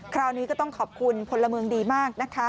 คราวนี้ก็ต้องขอบคุณพลเมืองดีมากนะคะ